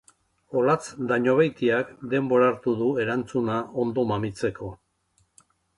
Olatz Dañobeitiak denbora hartu du erantzuna ondo mamitzeko.